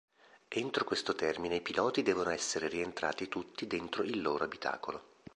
Entro questo termine i piloti devono essere rientrati tutti dentro il loro abitacolo.